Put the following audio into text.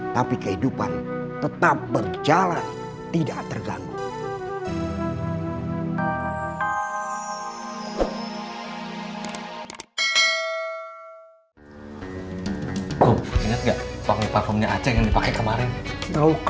tapi kehidupan tetap berjalan tidak terganggu